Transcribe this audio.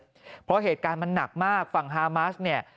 เพราะเหตุการณ์มันหนักมากฝั่งฮามัสเนี่ย